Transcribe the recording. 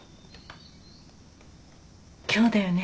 今日だよね。